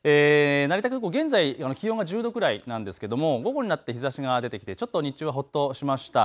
成田空港現在の気温は１０度くらいなんですけれども午後になって日ざしが出てきてちょっと日中はほっとしました。